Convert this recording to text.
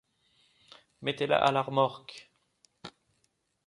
Mettez-la à la remorque!